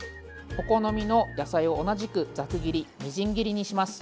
お好みの野菜を同じく、ざく切りみじん切りにします。